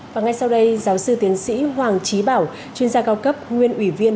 và ngay sau đây giáo sư tiến sĩ hoàng trí bảo chuyên gia cao cấp nguyên ủy viên